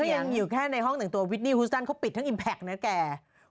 ยังอยู่แค่ในห้องหนึ่งตัววิดนี่ฮูสตันเขาปิดทั้งอิมแพคนะแก